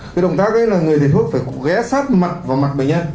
cái động tác ấy là người thì thuốc phải ghé sát mặt vào mặt bệnh nhân